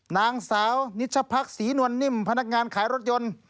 นางสาวนิชพักศรีนวลนิ่มพนักงานขายรถยนต์